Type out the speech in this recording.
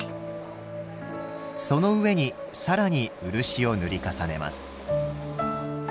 その上に更に漆を塗り重ねます。